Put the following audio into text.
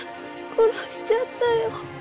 殺しちゃったよ。